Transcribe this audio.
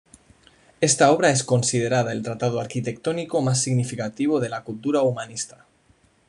Esta obra es considerada el tratado arquitectónico más significativo de la cultura humanista.